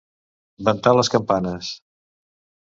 Ventar les campanes.